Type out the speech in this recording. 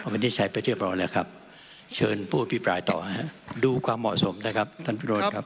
วันนี้ใช้ไปเรียบร้อยแล้วครับเชิญผู้อภิปรายต่อฮะดูความเหมาะสมนะครับท่านพิโรธครับ